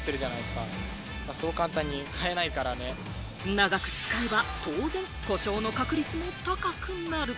長く使えば当然、故障の確率も高くなる。